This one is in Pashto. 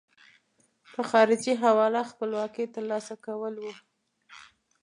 په خارجي حواله خپلواکۍ ترلاسه کول وو.